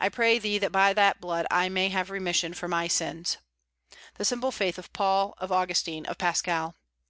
I pray thee that by that blood I may have remission for my sins." The simple faith of Paul, of Augustine, of Pascal!